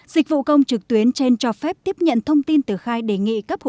dịch vụ công trực tuyến trên cho phép tiếp nhận thông tin từ khai đề nghị cấp hộ